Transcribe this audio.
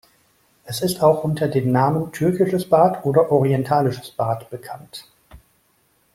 Es ist auch unter den Namen Türkisches Bad oder „Orientalisches Bad“ bekannt.